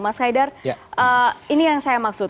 mas haidar ini yang saya maksud